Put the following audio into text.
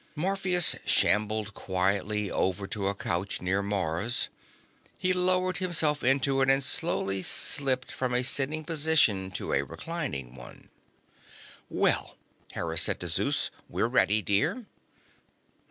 Morpheus shambled quietly over to a couch near Mars. He lowered himself onto it, and slowly slipped from a sitting position to a reclining one. "Well," Hera said to Zeus, "we're ready, dear."